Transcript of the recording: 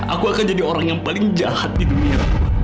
aku akan jadi orang yang paling jahat di dunia